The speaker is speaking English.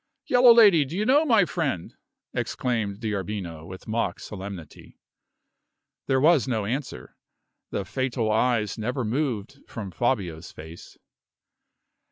"Yellow Lady, do you know my friend?" exclaimed D'Arbino, with mock solemnity. There was no answer. The fatal eyes never moved from Fabio's face.